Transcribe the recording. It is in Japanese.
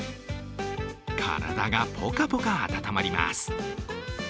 体がポカポカ温まります。